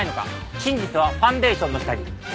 真実はファンデーションの下に。